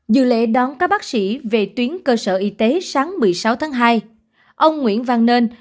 dự lễ đón các bác sĩ về tuyến cơ sở y tế sáng một mươi sáu tháng hai ông nguyễn văn nên